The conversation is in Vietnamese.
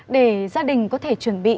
để gia đình có thể chuẩn bị